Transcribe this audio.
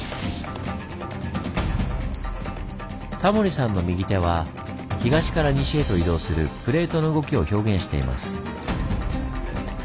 タモリさんの右手は東から西へと移動するプレートの動きを表現しています。